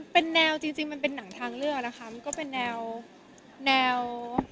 เป็นแนวจริงมันเป็นหนังทางเลือกนะคะมันก็เป็นแนวแนว